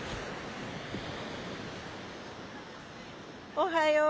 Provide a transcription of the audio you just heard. ・おはよう！